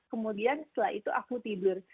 kemudian setelah itu aku tidur